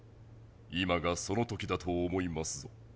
今がそのときだと思いますぞ。